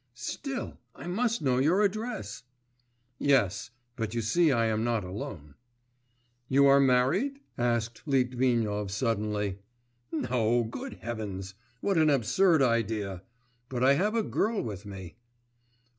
'Still I must know your address.' 'Yes. But you see I am not alone.' 'You are married?' asked Litvinov suddenly. 'No, good heavens! ... what an absurd idea! But I have a girl with me.